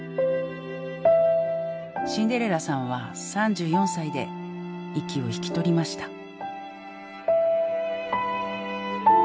シンデレラさんは３４歳で息を引き取りました。